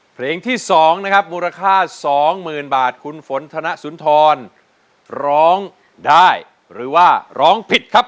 เพลงที่๒นะครับมูลค่าสองหมื่นบาทคุณฝนธนสุนทรร้องได้หรือว่าร้องผิดครับ